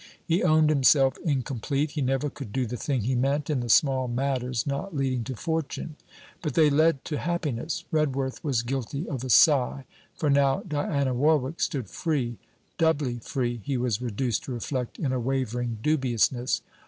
He owned himself incomplete. He never could do the thing he meant, in the small matters not leading to fortune. But they led to happiness! Redworth was guilty of a sigh: for now Diana Warwick stood free; doubly free, he was reduced to reflect in a wavering dubiousness.